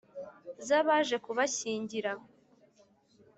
z’abaje kubashyingira